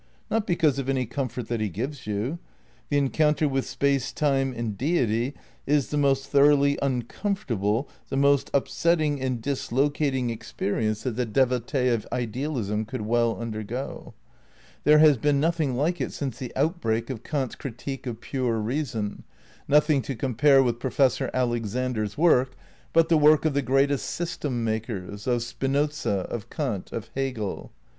Not because of any comfort that he gives you. The encounter with Space, Time and Deity is the most thoroughly uncom fortable, the most upsetting and dislocating experience that the devotee of idealism could well undergo. There 162 V THE CRITICAL PEEPAEATIONS 163 has been nothing like it since the outbreak of Kant's Critique of Pure Reason, nothing to compare with Pro fessor Alexander's work but the work of the greatest system makers. Of Spinoza. Of Kant. Of Hegel.